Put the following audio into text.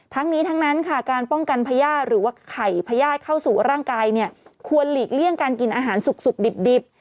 ทั้งนี้ทั้งนั้นค่ะการป้องกันพญาติหรือว่าไข่พญาติเข้าสู่ร่างกายเนี่ยควรหลีกเลี่ยงการกินอาหารสุกดิบ